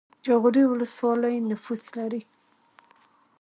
جاغوری ولسوالۍ نفوس لري؟